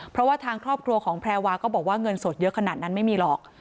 เพราะว่าทางครอบครัวของแพรวาก็บอกว่าเงินสดเยอะขนาดนั้นไม่มีหรอก